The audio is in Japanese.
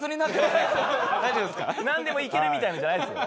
なんでもいけるみたいなのじゃないですよ。